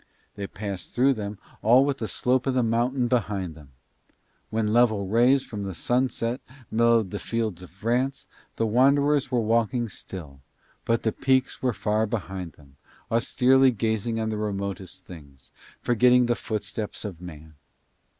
They passed through them all with the slope of the mountain behind them. When level rays from the sunset mellowed the fields of France the wanderers were walking still, but the peaks were far behind them, austerely gazing on the remotest things, forgetting the footsteps of man.